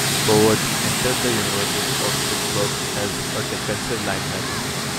Covert entered the University of Pittsburgh as a defensive lineman.